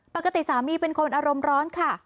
ปกติสามีเป็นคนอารมณ์ร้อนค่ะ